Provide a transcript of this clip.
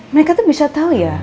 mereka tuh bisa tahu ya